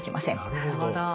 なるほど。